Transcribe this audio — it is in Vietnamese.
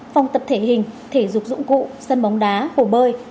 phòng tập thể hình thể dục dụng cụ sân bóng đá hồ bơi